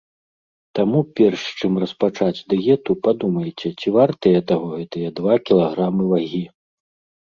Таму, перш, чым распачаць дыету, падумайце, ці вартыя таго гэтыя два кілаграмы вагі.